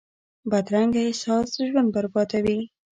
بدرنګه احساس ژوند بربادوي